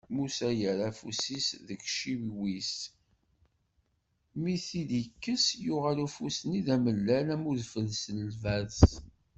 Musa yerra afus-is deg iciwi-s, mi t-id-ikkes, yuɣal ufus-is d amellal am udfel si lberṣ.